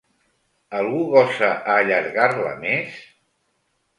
¿Algú gosa a allargar-la més?